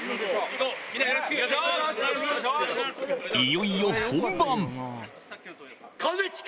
いよいよ本番兼近！